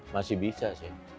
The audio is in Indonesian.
masih bisa sih